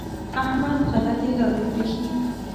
احمد غلطې لارې پرېښې.